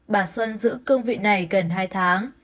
bà xuân giữ cương vị này gần hai tháng